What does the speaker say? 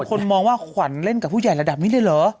คนมองว่าขวัญเล่นกับผู้ใหญ่ระดับนี้เลยเหรอ